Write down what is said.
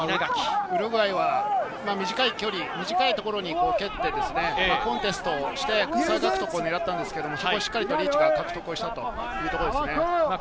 ウルグアイは短いところに蹴って、コンテストして再獲得を狙ったんですけど、そこをしっかりリーチが獲得したということですね。